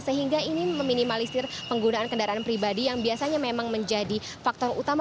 sehingga ini meminimalisir penggunaan kendaraan pribadi yang biasanya memang menjadi faktor utama